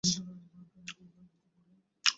দুই হাত মাথার পিছনে নাও, এবং হাটু ভাঁজ করে মেঝেতে বস।